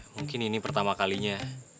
mungkin ini pertama kalinya